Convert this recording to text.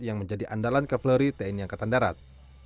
yang menjadi andalan kaveleri tni angkatan darat